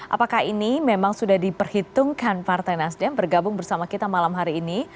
apakah ini memang sudah diperhitungkan partai nasdem bergabung bersama kita malam hari ini